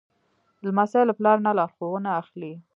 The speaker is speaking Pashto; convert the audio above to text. لمسی له پلار نه لارښوونه اخلي.